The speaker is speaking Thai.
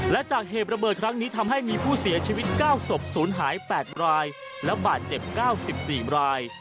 และจากเหตุระเบิดครั้งนี้ทำให้มีผู้เสียชีวิต๙ศพศูนย์หาย๘รายและบาดเจ็บ๙๔ราย